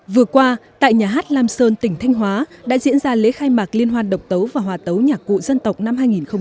vừa qua tại nhà hát lam sơn tỉnh thanh hóa đã diễn ra lễ khai mạc liên hoan độc tấu và hòa tấu nhạc cụ dân tộc năm hai nghìn một mươi chín